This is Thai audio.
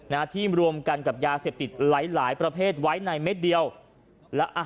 นะที่รวมกันกับยาเสพติดหลายหลายประเภทไว้ในเม็ดเดียวแล้วอ่ะ